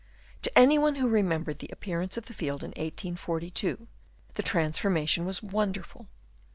To anyone who remembered the appearance of the field in 1842, the transfor mation was wonderful.